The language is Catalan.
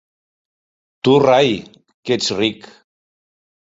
Tu rai, que ets ric!